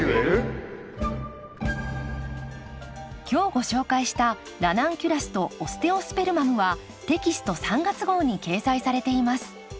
今日ご紹介した「ラナンキュラスとオステオスペルマム」はテキスト３月号に掲載されています。